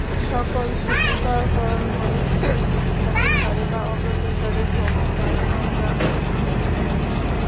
সকল শুদ্ধিকর কর্মই জ্ঞাতসারে বা অজ্ঞাতসারে ভ্রম বা অজ্ঞানকে নষ্ট করছে।